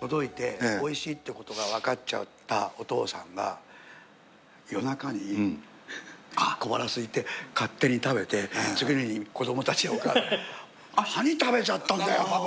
届いて美味しいって事がわかっちゃったお父さんが夜中に小腹すいて勝手に食べて次の日に子供たちやお母さん何食べちゃったんだよパパ！